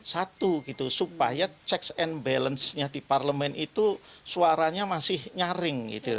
satu gitu supaya check and balancesnya di parlemen itu suaranya masih nyaring gitu